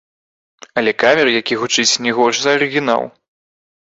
Але кавер, які гучыць не горш за арыгінал.